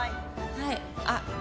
はいあっ